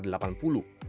bekerja sama dengan siapa